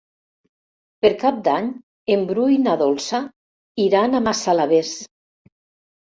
Per Cap d'Any en Bru i na Dolça iran a Massalavés.